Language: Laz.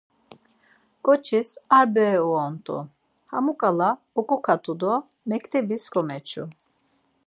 Ǩoçis ar bere uyonut̆u. Hamuǩala oǩoǩatu do mektebis komeçu.